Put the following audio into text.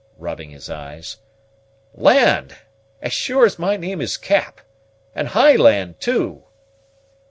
(rubbing his eyes) "land! as sure as my name is Cap and high land, too."